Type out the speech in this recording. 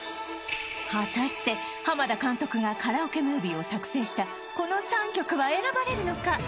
果たして田監督がカラオケムービーを作成したこの３曲は選ばれるのか？